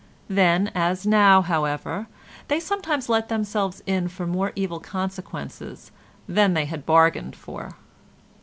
Then as now, however, they sometimes let themselves in for more evil consequences than they had bargained for.